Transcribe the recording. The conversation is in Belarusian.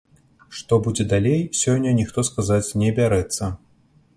Што будзе далей, сёння ніхто сказаць не бярэцца.